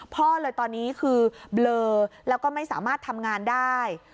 พ่อเลยตอนนี้คือเบลอแล้วก็ไม่สามารถทำงานได้